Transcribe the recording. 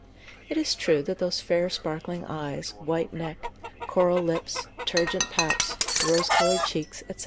It is true that those fair sparkling eyes, white neck, coral lips, turgent paps, rose coloured cheeks, &c.